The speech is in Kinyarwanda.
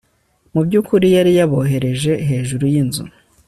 mu by'ukuri yari yabohereje hejuru y'inzu